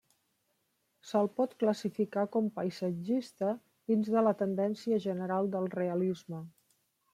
Se'l pot classificar com paisatgista dins de la tendència general del Realisme.